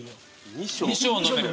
２升飲める？